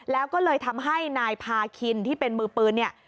แล้วก็เลยทำให้นายพาคินที่เป็นมือปืนเนี่ย